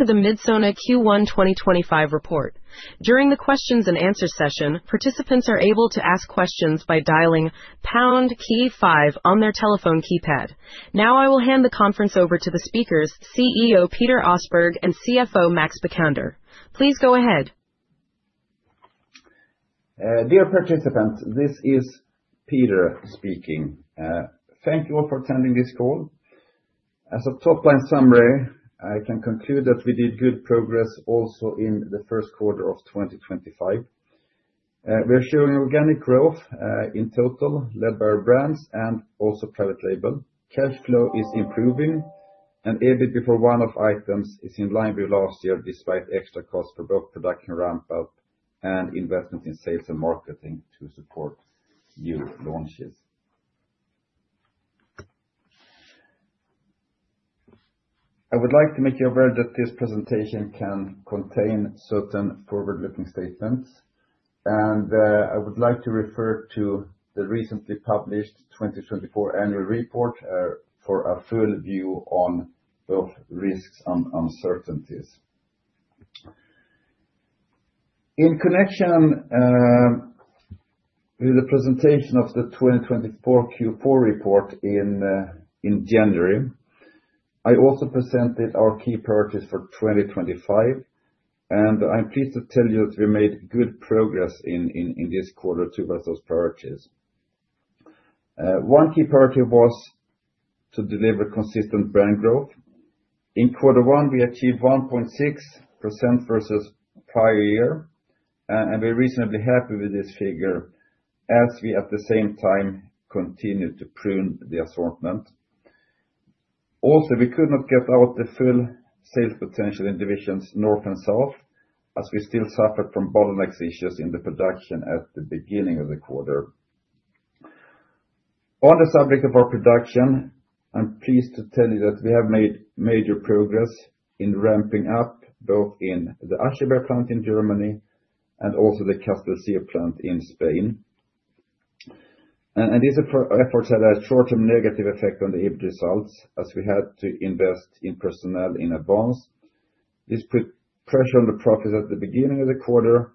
To the Midsona Q1 2025 report. During the Q&A session, participants are able to ask questions by dialing #5 on their telephone keypad. Now I will hand the conference over to the speakers, CEO Peter Åsberg and CFO Max Bokander. Please go ahead. Dear participants, this is Peter speaking. Thank you all for attending this call. As a top-line summary, I can conclude that we did good progress also in Q1 2025. We are showing organic growth in total, led by our brands and also private label. Cash flow is improving, and EBITDA for one of the items is in line with last year, despite extra costs for both production ramp-up and investment in sales and marketing to support new launches. I would like to make you aware that this presentation can contain certain forward-looking statements, and I would like to refer to the recently published 2024 annual report for a full view on both risks and uncertainties. In connection with the presentation of the 2024 Q4 report in January, I also presented our key priorities for 2025, and I'm pleased to tell you that we made good progress in this quarter too with those priorities. One key priority was to deliver consistent brand growth. In Q1, we achieved 1.6% versus prior year, and we're reasonably happy with this figure as we at the same time continue to prune the assortment. Also, we could not get out the full sales potential in divisions North and South, as we still suffered from bottlenecks issues in the production at the beginning of the quarter. On the subject of our production, I'm pleased to tell you that we have made major progress in ramping up both in the Ascheberg plant in Germany and also the Castellcir plant in Spain. These efforts had a short-term negative effect on the EBITDA results, as we had to invest in personnel in advance. This put pressure on the profits at the beginning of the quarter,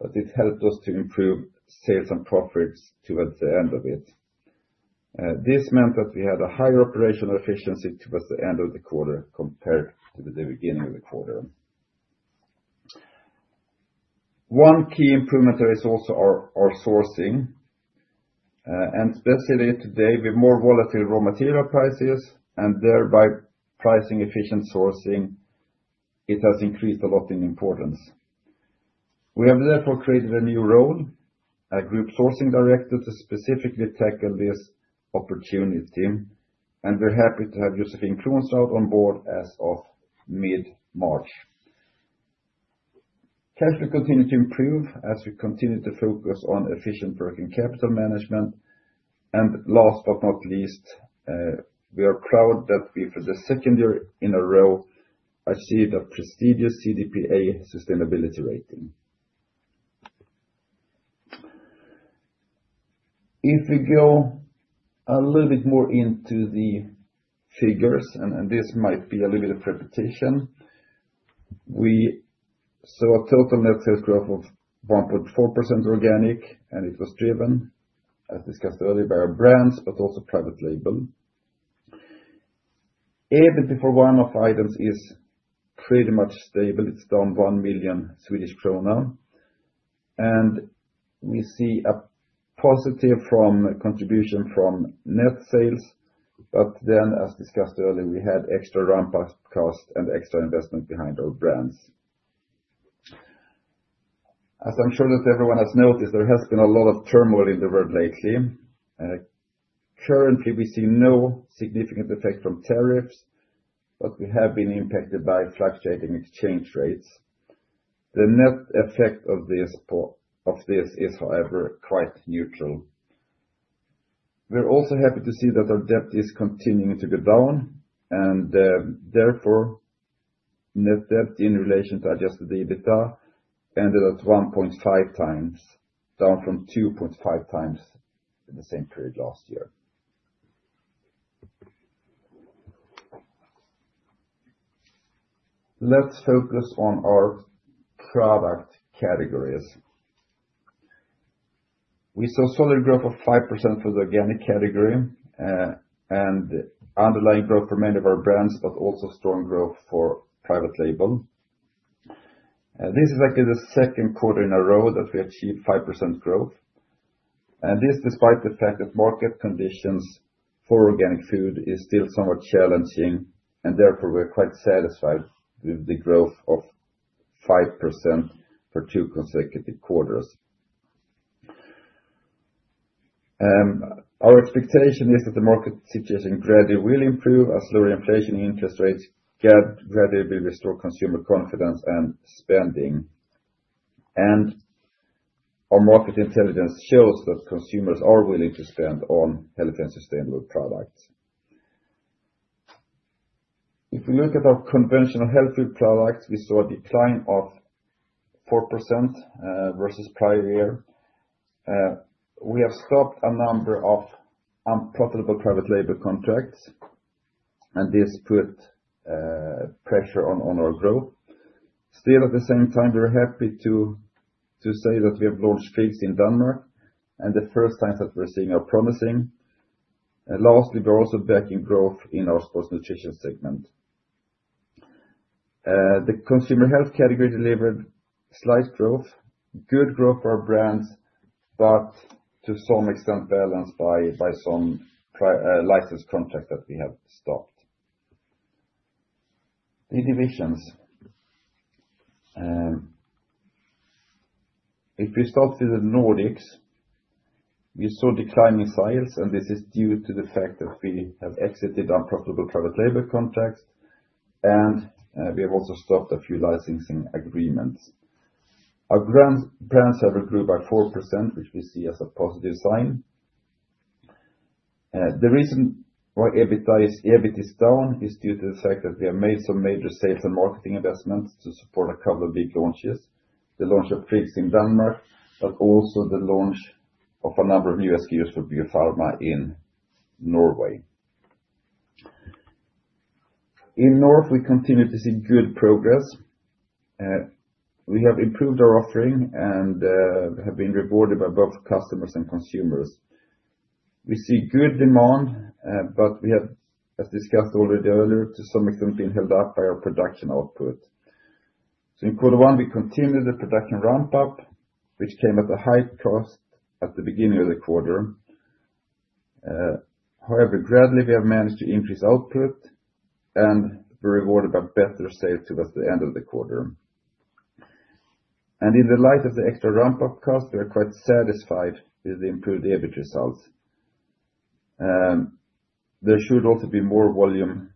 but it helped us to improve sales and profits towards the end of it. This meant that we had a higher operational efficiency towards the end of the quarter compared to the beginning of the quarter. One key improvement there is also our sourcing, and especially today with more volatile raw material prices and thereby pricing-efficient sourcing, it has increased a lot in importance. We have therefore created a new role, a Group Sourcing Director, to specifically tackle this opportunity, and we're happy to have Josefin Krondahl on board as of mid-March. Cash will continue to improve as we continue to focus on efficient working capital management, and last but not least, we are proud that we, for the second year in a row, achieved a prestigious CDP A sustainability rating. If we go a little bit more into the figures, and this might be a little bit of repetition, we saw a total net sales growth of 1.4% organic, and it was driven, as discussed earlier, by our brands but also private label. EBITDA for one-off items is pretty much stable. It is down 1 million Swedish krona, and we see a positive contribution from net sales, but then, as discussed earlier, we had extra ramp-up costs and extra investment behind our brands. As I am sure that everyone has noticed, there has been a lot of turmoil in the world lately. Currently, we see no significant effect from tariffs, but we have been impacted by fluctuating exchange rates. The net effect of this is, however, quite neutral. We're also happy to see that our debt is continuing to go down, and therefore, net debt in relation to adjusted EBITDA ended at 1.5 times, down from 2.5 times in the same period last year. Let's focus on our product categories. We saw solid growth of 5% for the organic category and underlying growth for many of our brands, but also strong growth for private label. This is actually the second quarter in a row that we achieved 5% growth, and this despite the fact that market conditions for organic food are still somewhat challenging, and therefore we're quite satisfied with the growth of 5% for two consecutive quarters. Our expectation is that the market situation gradually will improve as lower inflation and interest rates gradually will restore consumer confidence and spending, and our market intelligence shows that consumers are willing to spend on healthy and sustainable products. If we look at our conventional health food products, we saw a decline of 4% versus prior year. We have stopped a number of unprofitable private label contracts, and this put pressure on our growth. Still, at the same time, we're happy to say that we have launched Friggs in Denmark, and the first signs that we're seeing are promising. Lastly, we're also backing growth in our sports nutrition segment. The consumer health category delivered slight growth, good growth for our brands, but to some extent balanced by some licensed contracts that we have stopped. The divisions. If we start with the Nordics, we saw declining sales, and this is due to the fact that we have exited unprofitable private label contracts, and we have also stopped a few licensing agreements. Our brands have improved by 4%, which we see as a positive sign. The reason why EBITDA is down is due to the fact that we have made some major sales and marketing investments to support a couple of big launches: the launch of Friggs in Denmark, but also the launch of a number of new SKUs for Biopharma in Norway. In North, we continue to see good progress. We have improved our offering and have been rewarded by both customers and consumers. We see good demand, but we have, as discussed already earlier, to some extent been held up by our production output. In Q1, we continued the production ramp-up, which came at a high cost at the beginning of the quarter. However, gradually we have managed to increase output, and we were rewarded by better sales towards the end of the quarter. In the light of the extra ramp-up cost, we are quite satisfied with the improved EBIT results. There should also be more volume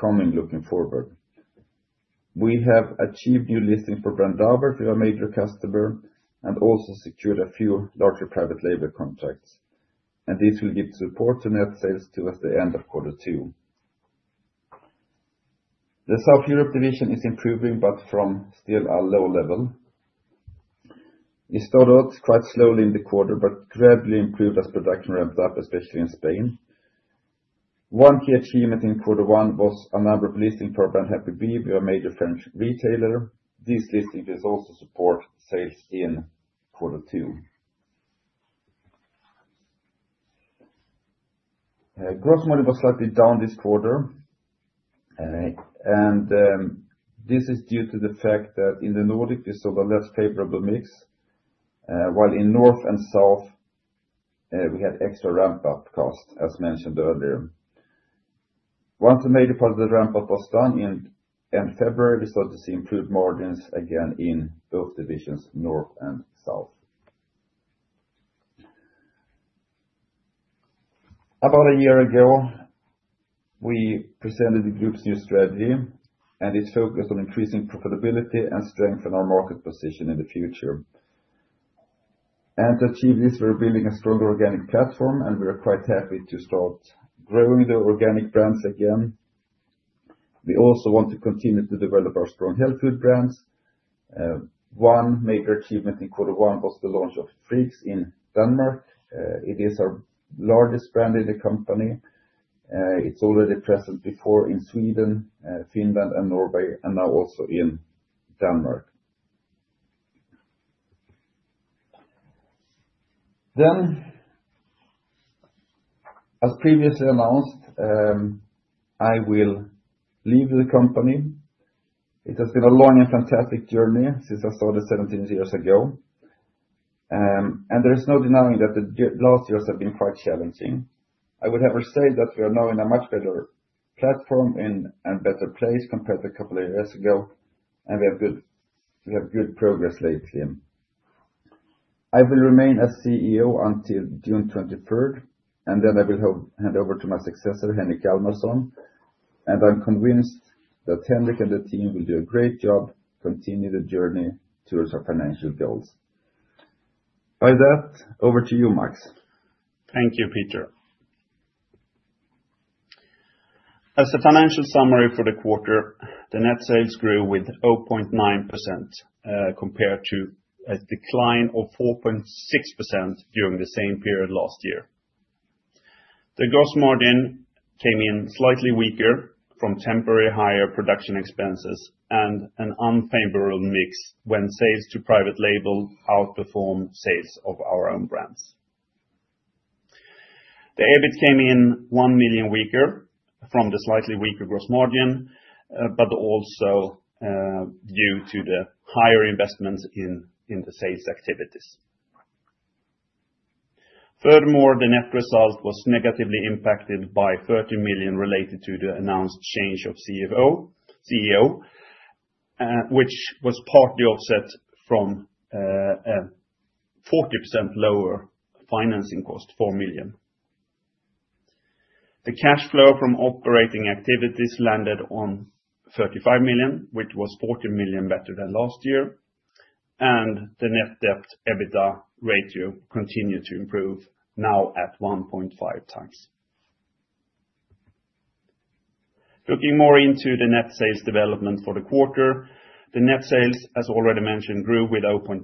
coming looking forward. We have achieved new listings for brand Davert, who is our major customer, and also secured a few larger private label contracts, and this will give support to net sales towards the end of Q2. The South Europe division is improving, but from still a low level. It started off quite slowly in the quarter, but gradually improved as production ramped up, especially in Spain. One key achievement in Q1 was a number of listings for brand Happy Bio, our major French retailer. This listing has also supported sales in Q2. Gross margin was slightly down this quarter, and this is due to the fact that in the Nordics, we sold a less favorable mix, while in North and South, we had extra ramp-up costs, as mentioned earlier. Once the major part of the ramp-up was done in February, we started to see improved margins again in both divisions, North and South. About a year ago, we presented the group's new strategy, and it focused on increasing profitability and strengthening our market position in the future. To achieve this, we are building a stronger organic platform, and we are quite happy to start growing the organic brands again. We also want to continue to develop our strong health food brands. One major achievement in Q1 was the launch of Friggs in Denmark. It is our largest brand in the company. It's already present before in Sweden, Finland, and Norway, and now also in Denmark. As previously announced, I will leave the company. It has been a long and fantastic journey since I started 17 years ago, and there is no denying that the last years have been quite challenging. I would have said that we are now in a much better platform and better place compared to a couple of years ago, and we have good progress lately. I will remain as CEO until June 23rd, and then I will hand over to my successor, Henrik Hjalmarsson, and I'm convinced that Henrik and the team will do a great job to continue the journey towards our financial goals. With that, over to you, Max. Thank you, Peter. As a financial summary for the quarter, the net sales grew with 0.9% compared to a decline of 4.6% during the same period last year. The gross margin came in slightly weaker from temporary higher production expenses and an unfavorable mix when sales to private label outperformed sales of our own brands. The EBIT came in 1 million weaker from the slightly weaker gross margin, but also due to the higher investments in the sales activities. Furthermore, the net result was negatively impacted by 30 million related to the announced change of CEO, which was partly offset from a 40% lower financing cost, 4 million. The cash flow from operating activities landed on 35 million, which was 40 million better than last year, and the net debt/EBITDA ratio continued to improve, now at 1.5 times. Looking more into the net sales development for the quarter, the net sales, as already mentioned, grew with 0.9%.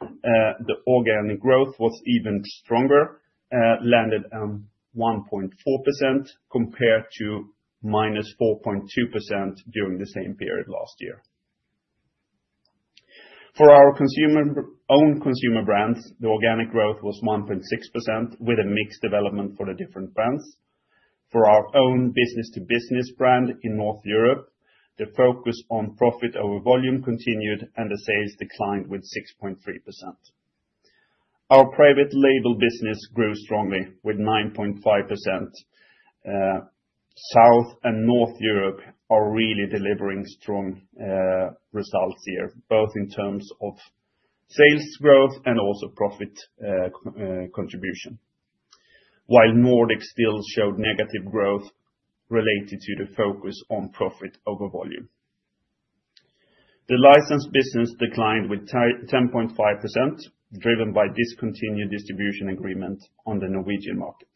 The organic growth was even stronger, landed on 1.4% compared to minus 4.2% during the same period last year. For our own consumer brands, the organic growth was 1.6% with a mixed development for the different brands. For our own business-to-business brand in North Europe, the focus on profit over volume continued, and the sales declined with 6.3%. Our private label business grew strongly with 9.5%. South and North Europe are really delivering strong results here, both in terms of sales growth and also profit contribution, while Nordic still showed negative growth related to the focus on profit over volume. The license business declined with 10.5%, driven by discontinued distribution agreement on the Norwegian market.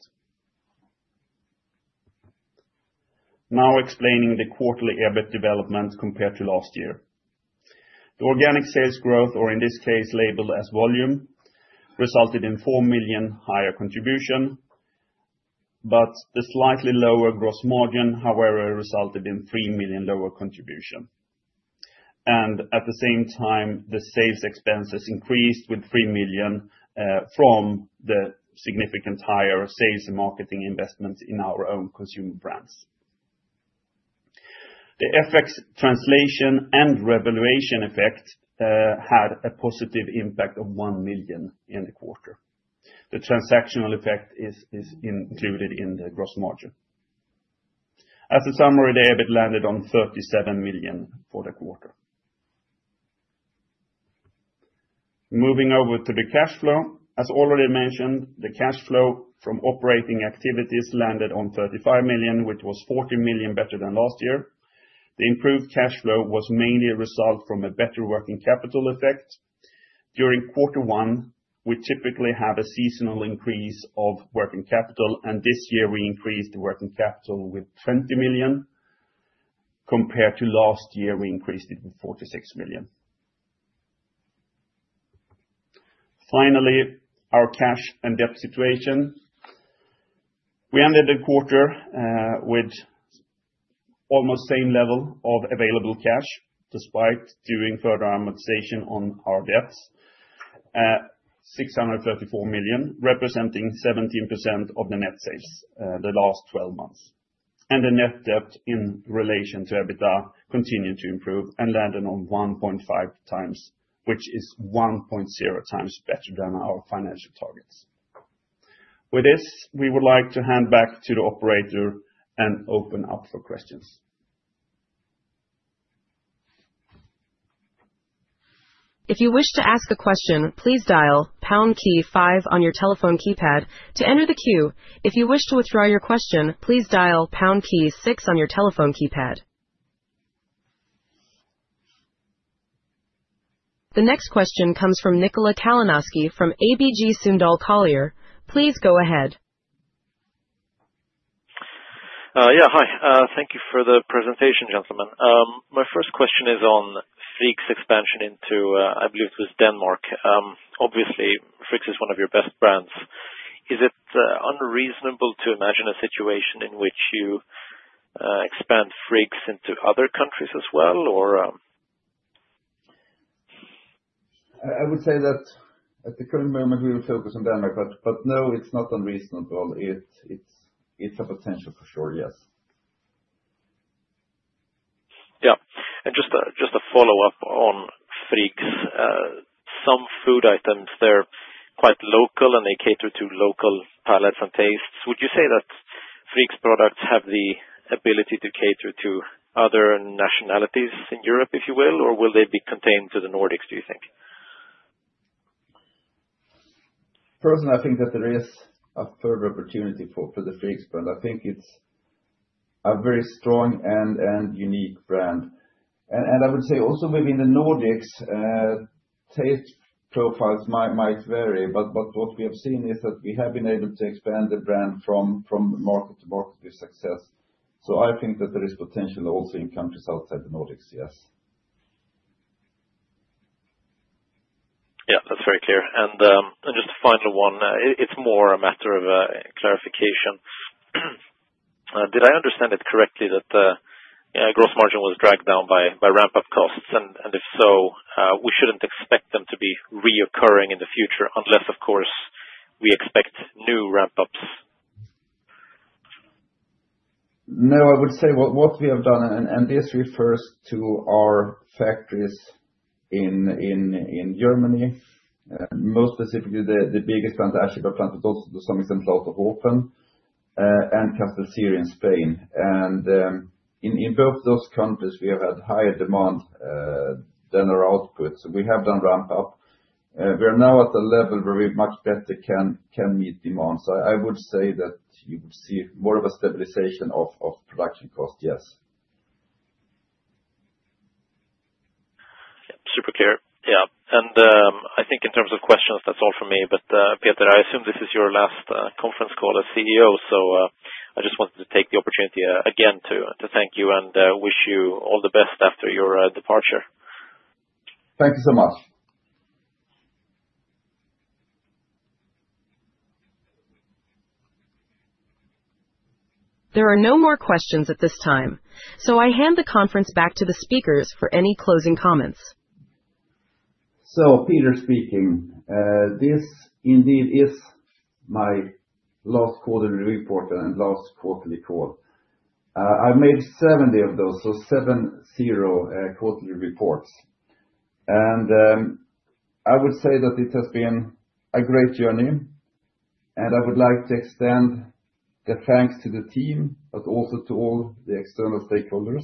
Now explaining the quarterly EBIT development compared to last year. The organic sales growth, or in this case labeled as volume, resulted in 4 million higher contribution, but the slightly lower gross margin, however, resulted in 3 million lower contribution. At the same time, the sales expenses increased with 3 million from the significant higher sales and marketing investments in our own consumer brands. The FX translation and revaluation effect had a positive impact of 1 million in the quarter. The transactional effect is included in the gross margin. As a summary, the EBIT landed on 37 million for the quarter. Moving over to the cash flow. As already mentioned, the cash flow from operating activities landed on 35 million, which was 40 million better than last year. The improved cash flow was mainly a result from a better working capital effect. During Q1, we typically have a seasonal increase of working capital, and this year we increased the working capital with 20 million. Compared to last year, we increased it with 46 million. Finally, our cash and debt situation. We ended the quarter with almost the same level of available cash, despite doing further amortization on our debts, 634 million, representing 17% of the net sales the last 12 months. The net debt in relation to EBITDA continued to improve and landed on 1.5 times, which is 1.0 times better than our financial targets. With this, we would like to hand back to the operator and open up for questions. If you wish to ask a question, please dial #5 on your telephone keypad to enter the queue. If you wish to withdraw your question, please dial #6 on your telephone keypad. The next question comes from Nikola Kalanoski from ABG Sundal Collier. Please go ahead. Yeah, hi. Thank you for the presentation, gentlemen. My first question is on Friggs expansion into, I believe it was Denmark. Obviously, Friggs is one of your best brands. Is it unreasonable to imagine a situation in which you expand Friggs into other countries as well, or? I would say that at the current moment, we will focus on Denmark, but no, it's not unreasonable. It's a potential for sure, yes. Yeah. Just a follow-up on Friggs. Some food items, they're quite local, and they cater to local palettes and tastes. Would you say that Friggs products have the ability to cater to other nationalities in Europe, if you will, or will they be contained to the Nordics, do you think? First, I think that there is a further opportunity for the Friggs brand. I think it's a very strong and unique brand. I would say also within the Nordics, taste profiles might vary, but what we have seen is that we have been able to expand the brand from market to market with success. I think that there is potential also in countries outside the Nordics, yes. Yeah, that's very clear. Just a final one, it's more a matter of clarification. Did I understand it correctly that gross margin was dragged down by ramp-up costs, and if so, we shouldn't expect them to be reoccurring in the future unless, of course, we expect new ramp-ups? No, I would say what we have done, and this refers to our factories in Germany, most specifically the biggest plant, Achebe plant, but also some examples out of Lauterhofen and Castellcir in Spain. In both those countries, we have had higher demand than our output. We have done ramp-up. We are now at a level where we much better can meet demand. I would say that you would see more of a stabilization of production costs, yes. Super clear. Yeah. I think in terms of questions, that's all for me. Peter, I assume this is your last conference call as CEO, so I just wanted to take the opportunity again to thank you and wish you all the best after your departure. Thank you so much. There are no more questions at this time, so I hand the conference back to the speakers for any closing comments. Peter speaking. This indeed is my last quarterly report and last quarterly call. I made 70 of those, 70 quarterly reports. I would say that it has been a great journey, and I would like to extend the thanks to the team, but also to all the external stakeholders.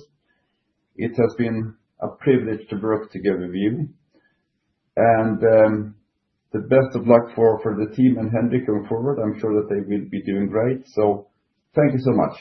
It has been a privilege to work together with you. The best of luck for the team and Henrik going forward. I'm sure that they will be doing great. Thank you so much.